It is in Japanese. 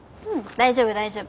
大丈夫大丈夫。